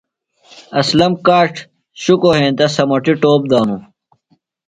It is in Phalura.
اسلم کاڇ شکو ہینتہ سمٹی ٹوپ دانو ۔